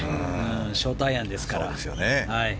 ショートアイアンでしたから。